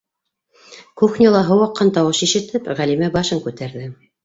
Кухняла һыу аҡҡан тауыш ишетеп, Ғәлимә башын күтәрҙе: